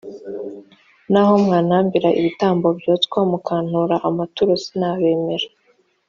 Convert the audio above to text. naho mwantambira ibitambo byoswa mukantura amaturo sinabemera